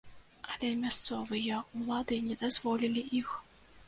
Але мясцовыя ўлады не дазволілі іх.